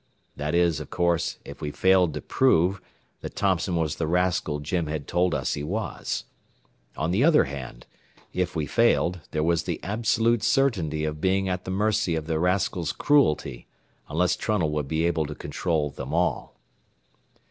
That is, of course, if we failed to prove that Thompson was the rascal Jim had told us he was. On the other hand, if we failed, there was the absolute certainty of being at the mercy of the rascal's cruelty, unless Trunnell would be able to control them all.